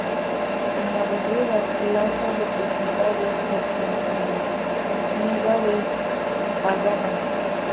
En la bóveda, planetas representados por divinidades paganas.